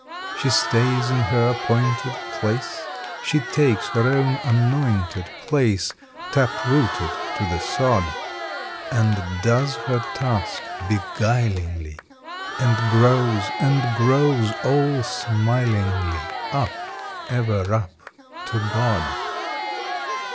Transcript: She stays in her appointed place, She takes her own annointed place, June Seventeenth Tap rooted to the sod, And does her task beguilingly, And grows, and grows, all smilingly Up, ever up, to God.